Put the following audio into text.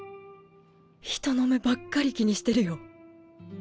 人の目ばっかり気にしてるよ。